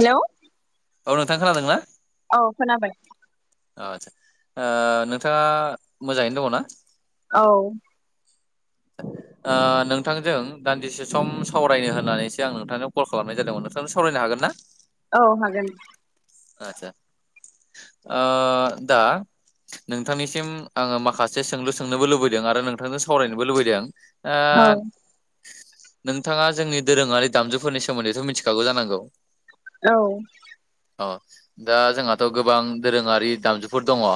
हेल' औ नोंथां खोनादों ना? औ खोनाबाय। अ' आदसा ओ नोंथाङा मोजाङैनो दङ ना? औ। ओ नोंथांजों दान्दिसे सम सावरायनो होननानैसो आं नोंथांजों कल खालामनाय जादोंमोन नोंथांजों सावरायनो हागोन ना? औ हागोन। आदसा ओ दा नोंथांनिसिम आङो माखासे सोंलु सोंनोबो लुबैदों। आरो नोंथांजों सावरायनोबो लुबैदों। ओ औ नोंथाङा जोंनि दोरोङारि दामजुफोरनि सोमोन्दैथ' मिथिखागौ जानांगौ? औ अ दा जोंहाथ' गोबां दोरोङारि दामजुफोर दङ।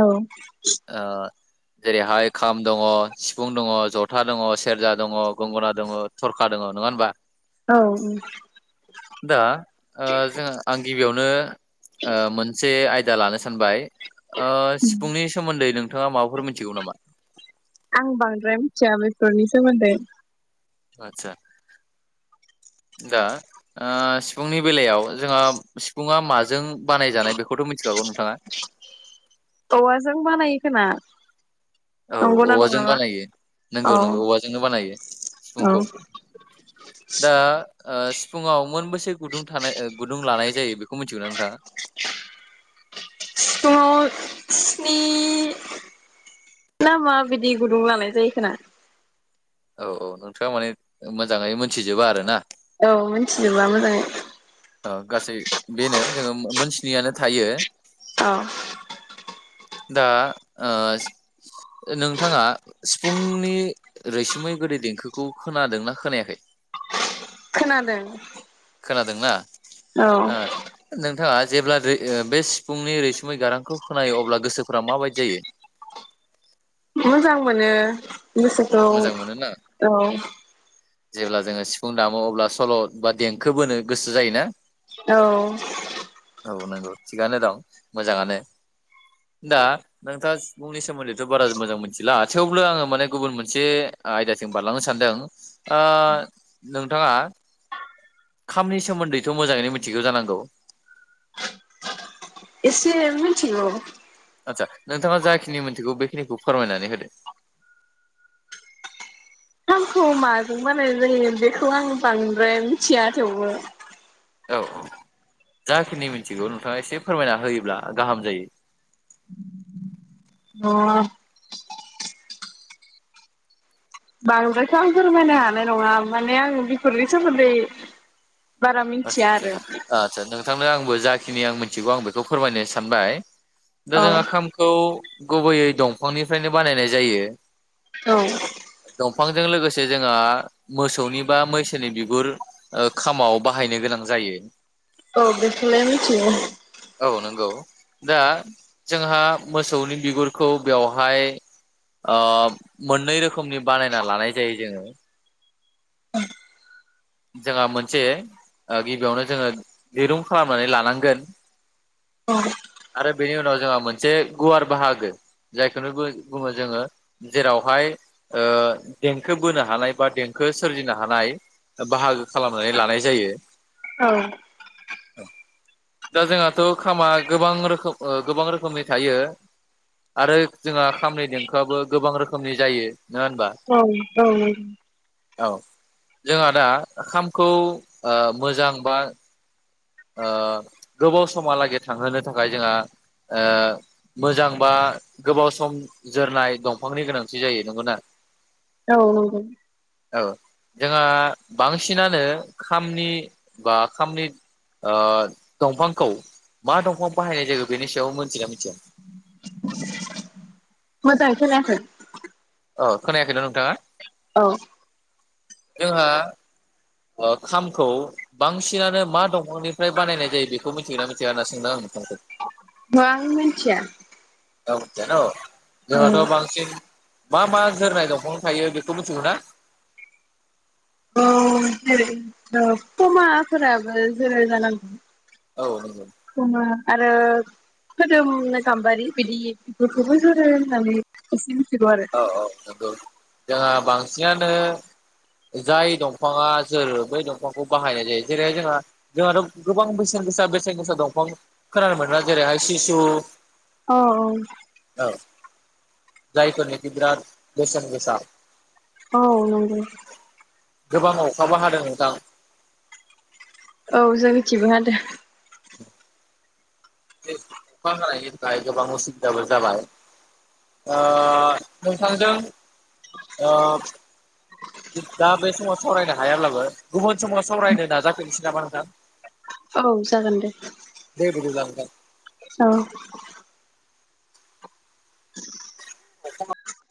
औ जेरैहाय खाम दङ, सिफुं दङ, जथा दङ, सेरजा दङ, गंगना दङ, थरखा दङ नङा होनबा? औ ओं। दा ओ जोङो आं गिबियावनो ओ मोनसे आय दा लानो सानबाय। ओ सिफुंनि सोमोन्दै नोंथाङा माबाफोर मिथिगौ नामा? फोरनि सोमोन्दै। आतसा दा ओ सिफुंनि बेलायाव जोंहा सिफुङा माजों बानायजानाय बेखौथ' मिथिखागौ नोंथाङा? औवाजों बानायो खोना। औ औवाजों बानायो। नोंगौ औ नोंगौ। औवाजोंनो बानायो औ सिफुंखौ। दा ओ सिफुुंआव मोनबेसे गुदुं थाना गुदुं लानाय जायो बेखौ मिथिगौ नोंथाङा? ओ स्नि ना माबायदि गुदुं लानाय जायो खोना। औ औ नोंथाङा माने मोजाङै मोनथिजोबा आरो ना? औ मिथिजोबब्ला मोजाङै। ओ गासै बेनो जोङो मोनथिनियानो थायो औ। दा ओ नोंथाङा सिफुंनि रैसुमै गोदै देंखोखौ खोनादों ना खोनायाखै? खोनादों। खोनादोंना औ ओ नों थाङा जेब्ला बे सिफुंनि रैसुमै गारांखौ खोनायो अब्ला गोसोफोरा माबायदि जायो? मोजां मोनो। गोसोखौ मोजां मोनोना औ। जेब्ला जोङो सिफुं दामो अब्ला सल' बा देंखो बोनो गोसो जायोना? औ औ नंगौ थिगनो दं मोजाङानो दा नोंथाङा बुंनि सोमोन्दैथ' बारा मोजां मोनथिला थेवबो आङो माने गुबुन मोनसे मोन आयदासिम बारलांनो सानदों नोंथाङा खामनि सोमोन्दैथ' मोजाङैनो मिथिगौ जानांगौ एसे एमथि आतसा नोंथाङा जाखिनि मिथिगौ बेखिनिखौ फोरमायनानै होदो आंखौ माजों बानायनाय जायो बेखौ आं बांद्राय मिथिया थेवबो औ औ जाखिनि मिथिगौ नोंथाङा एसे फोरमायना होयोब्ला गाहाम जायो अ बांद्रायथ' आं फोरमायनो हानाय नङा माने आं बिफोरनि सोमोन्दै बारा मिथिया आरो आसा आ नोंथांनो आंबो जाखिनि आं मिथिगौ आं बेखौ फोरमायनो सानबाय दा औ जों ओंखामखौ गुबैयै दंफांनिफ्रायनो बानायनाय जायो औ दंफांजों लोगोसे जोंहा मोसौनि बा मोसौनि बिगुर खामाव बाहायनो गोनां जायो औ बेखलायनोथियो औ नंगौ दा जोंहा मोसौनि बिगुरखौ बेवहाय मोननै रोखोमनि बानायना लानाय जायो जोङो जोंहा मोनसे गिबियावनो जोङो दिरुं खालामनानै लानांगोन औ आरो बेनि उनाव जोंहा मोनसे गुवार बाहागो जायखौनो बुङो जोङो जेरावहाय देंखो बोनो हानाय बा देंखो सोरजिनो हानाय बाहागो खालामनानै लानाय जायो औ दा जोंहाथ' खामा गोबां रोखोम गोबां रोखोमनि थायो आरो जोंहा खामनि देंखोआबो गोबां रोखोमनि जायो नङा होनबा औ औ औ जोंहा दा ओं खामखौ मोजां बा गोबाव समहालागै थांहोनो थाखाय जोंहा मोजां बा गोबाव सम जोरनाय दंफांनि गोनांथि जायो नंगौना औ औ औ औ जोंहा बांसिनानो खामनि बा खामनि ओ दंफांखौ मा दंफां बाहायनाय जायायो बेनि सायाव मिथिना मिथिया मोजाङै खोनायाखै अ खोनायाखै ना नोंथाङा औ जोंहा ओ खामखौ बांसिनानो मा दंफांनिफ्राय बानायनाय जायो बेखौ मिथिगोना मिथिया होनना सोंदों आं नोंथांखौ ओहो आं मिथिया। औ मिथिया न'। औ जोंहाथ' बांसिन मा मा जोरनाय दंफां थायो बेखौ मिथिगौना औ जेरै पमाफोराबो जोरो जानांगौ। औ ओ खोदोमनो गाम्बारि बिदि बेफोरखौबो जोरो होननानै इसे मि औ औ नोंगौ जोंहा बांसिनानो जाय दंफाङा जोरो बै दंफांखौ बाहायनाय जायो जेरैहाय जोंहा जोंहाथ' गोबां बेसेन गोसा बेसेन गोसा दंफां खोनानो मोनोना जेरैहाय सिसु औ औ जायफोरनि बिराद बेसेन गोसा। औ नंगौ। गोबां अखाबो हादों नोंथां। औ जोंनिथिंबो हादो। [inaudible] अखा हानायनि थाखाय गोबां उसुबिदाबो जाबाय। ओ नोंथांजों ओ दा बे समाव सावरायनो हायाब्लाबो गुबुन समाव सावरायनो नाजाफिननोसै नामा नोंथां? औ जागोन दे। बिदिब्ला दे औ [inaudible] [unintelligible]